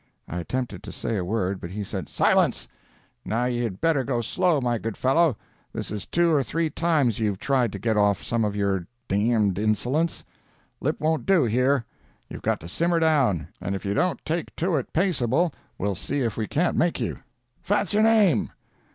I attempted to say a word, but he said: "Silence! Now ye had better go slow, my good fellow. This is two or three times you've tried to get off some of your d___d insolence. Lip won't do here. You've got to simmer down, and if you don't take to it paceable we'll see if we can't make you. Fat's your name?"